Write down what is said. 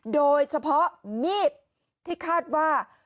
โดยเฉพาะมีดที่คาดว่า